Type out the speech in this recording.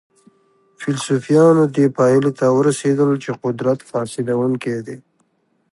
فلسفیانو دې پایلې ته ورسېدل چې قدرت فاسدونکی دی.